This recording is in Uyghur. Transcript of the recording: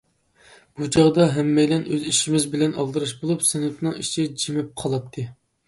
بۇ چاغدا ھەممەيلەن ئۆز ئىشىمىز بىلەن ئالدىراش بولۇپ سىنىپنىڭ ئىچى جىمىپ قالاتتى.